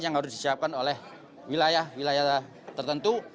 yang harus disiapkan oleh wilayah wilayah tertentu